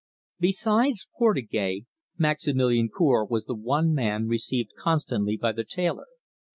Besides Portugais, Maximilian Cour was the one man received constantly by the tailor.